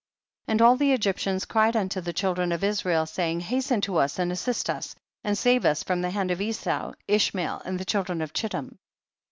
33. And all the Egyptians cried unto the children of Israel, saying, hasten to us and assist us and save us from the hand of Esau, Ishmael and the children of Ciiittim.